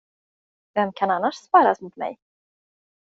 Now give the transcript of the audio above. Vem kan annars sparras mot mig?